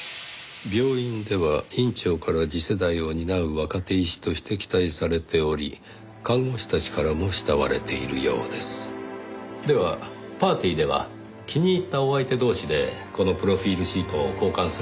「病院では院長から次世代を担う若手医師として期待されており看護師たちからも慕われているようです」ではパーティーでは気に入ったお相手同士でこのプロフィールシートを交換するわけですね？